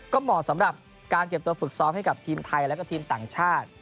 ก็เหมาะสำหรับการเก็บตัวฝึกซ้อมให้กับทีมไทยแล้วก็ทีมต่างชาติ